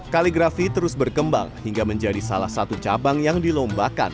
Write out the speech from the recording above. kaligrafi terus berkembang hingga menjadi salah satu cabang yang dilombakan